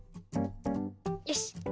よし。